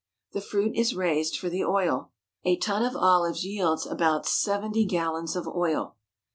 The fruit is raised for the oil. A ton of olives yields about seventy gallons of oil.